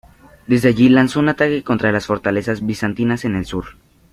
Desde allí lanzó un ataque contra las fortalezas bizantinas en el sur.